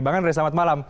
bang andri selamat malam